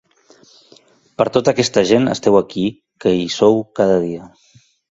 Per tota aquesta gent esteu aquí, que hi sou cada dia.